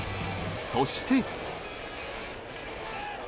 そして。